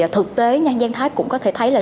thực tế giang thái cũng có thể thấy là